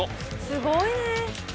すごいね。